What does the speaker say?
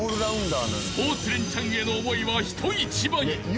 ［スポーツレンチャンへの思いは人一倍］